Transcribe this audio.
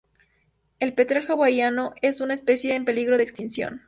El petrel hawaiano es una especie en peligro de extinción.